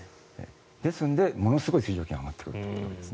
ですので、ものすごい水蒸気が上がってくると。